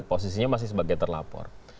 posisinya masih sebagai terlapor